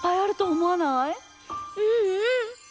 うんうん！